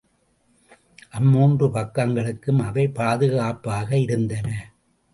அம்மூன்று பக்கங்களுக்கும் அவை பாதுகாப்பாக இருந்தன.